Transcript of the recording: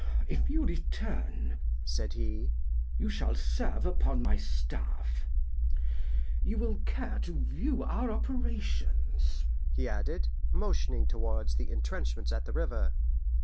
"If you return," said he, "you shall serve upon my staff. You will care to view our operations," he added, motioning towards the intrenchments at the river.